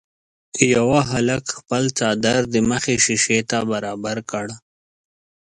یوه هلک خپل څادر د مخې شيشې ته برابر کړ.